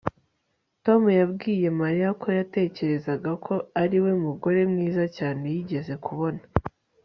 tom yabwiye mariya ko yatekerezaga ko ari we mugore mwiza cyane yigeze kubona